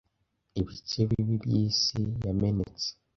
'' Ibice bibi by'isi yamenetse